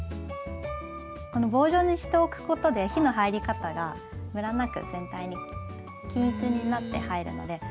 この棒状にしておくことで火の入り方がムラなく全体に均一になって入るので。